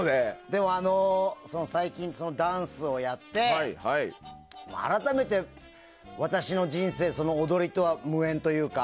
でも、最近ダンスをやって改めて私の人生踊りとは無縁というか。